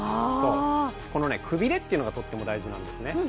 このくびれというのがとっても大事なんですね。